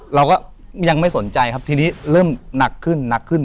เราก็ยังไม่สนใจครับทีนี้เริ่มหนักขึ้นหนักขึ้น